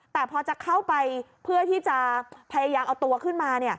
แต่พอจะเข้าไปเพื่อที่จะพยายามเอาตัวขึ้นมา